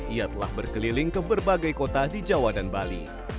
ia telah berkeliling ke berbagai kota di jawa dan bali